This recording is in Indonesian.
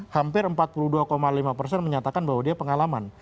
hampir empat puluh dua lima persen menyatakan bahwa dia pengalaman